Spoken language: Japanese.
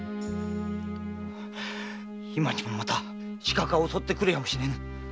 今にもまた刺客が襲ってくるやもしれぬ。